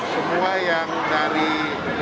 semua yang dari negara indonesia